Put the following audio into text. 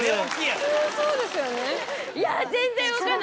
普通そうですよね。